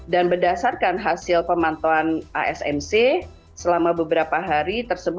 dan berdasarkan hasil pemantauan asmc selama beberapa hari tersebut